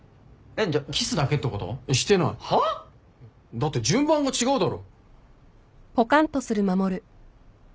だって順番が違うだろ。